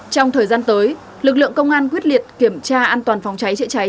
trong thời gian tới lực lượng công an quyết liệt kiểm tra an toàn phòng cháy chữa cháy